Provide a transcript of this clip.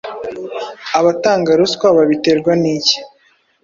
Abatanga ruswa babiterwa n’iki?